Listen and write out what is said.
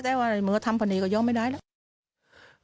แต่ว่าในมือทำพอดีก็ยอมไม่ได้แล้ว